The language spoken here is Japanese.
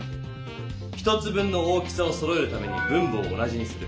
１つ分の大きさをそろえるために分母を同じにする。